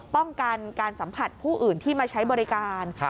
ป้องกันการสัมผัสผู้อื่นที่มาใช้บริการ